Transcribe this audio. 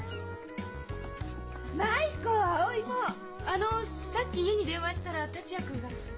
あのさっき家に電話したら達也君が。